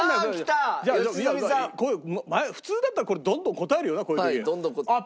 普通だったらこれどんどん答えるよなこういう時。